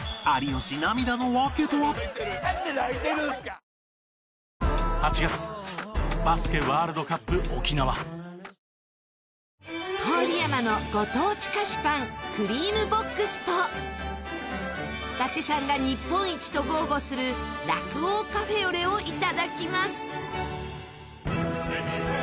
僕の名前は「Ｄ−ＲＯＯＭ」見学会やります郡山のご当地菓子パンクリームボックスと伊達さんが日本一と豪語する酪王カフェオレをいただきます。